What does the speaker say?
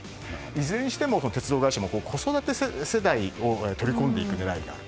いずれにしても鉄道会社も子育て世帯を取り込んでいく狙いがある。